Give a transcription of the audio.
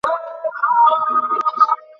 আমি গেতো সুগুরু।